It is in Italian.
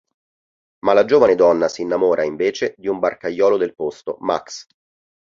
Ma la giovane donna si innamora, invece, di un barcaiolo del posto, Max.